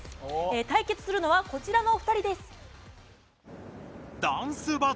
対決するのは、こちらの２人です。